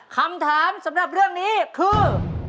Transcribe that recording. คำถามสำหรับเรื่องนี้คือ